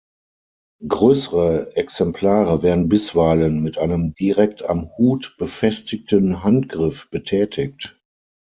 Größere Exemplare werden bisweilen mit einem direkt am Hut befestigten Handgriff betätigt.